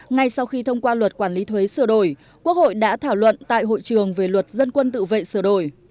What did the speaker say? ngay sau khi thông qua luật quản lý thuế sửa đổi quốc hội đã thảo luận tại hội trường về luật dân quân tự vệ sửa đổi